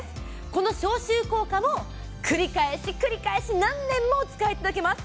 この消臭効果も繰り返し、繰り返し何年もお使いいただけます。